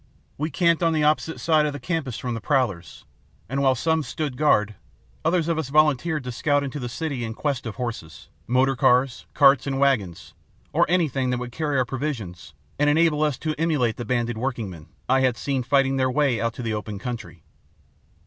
We camped on the opposite side of the campus from the prowlers, and, while some stood guard, others of us volunteered to scout into the city in quest of horses, motor cars, carts, and wagons, or anything that would carry our provisions and enable us to emulate the banded workingmen I had seen fighting their way out to the open country.